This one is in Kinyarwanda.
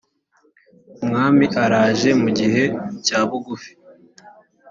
umwami araje mu gihe cya bugufi